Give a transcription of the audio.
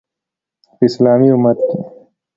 په اسلامي امت کې